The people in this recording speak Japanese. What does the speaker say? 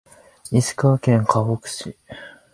石川県かほく市